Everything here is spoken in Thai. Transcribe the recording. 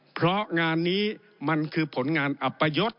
เพราะงานนี้มันคือผลงานอัปยศ